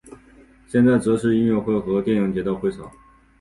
现在则是音乐会和电影节的会场。